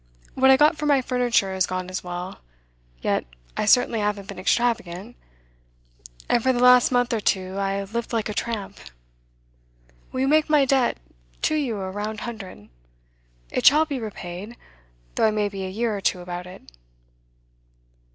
What I got for my furniture has gone as well, yet I certainly haven't been extravagant; and for the last month or two I lived like a tramp. Will you make my debt to you a round hundred? It shall be repaid, though I may be a year or two about it.